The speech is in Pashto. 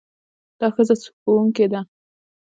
دا ښځه ښوونکې ده.